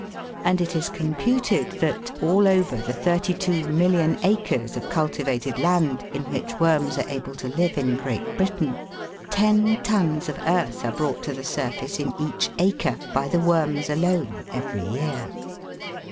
101 and it is computed that, all over the 32,000,000 acres of cultivated land in which worms are able to live in Great Britain, ten tons of earth are brought to the surface in each acre by the worms alone every year.